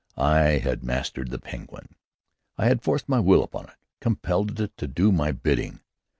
I had mastered the Penguin! I had forced my will upon it, compelled it to do my bidding!